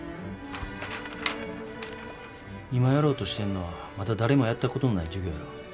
今やろうとしてんのはまだ誰もやったことのない事業やろ。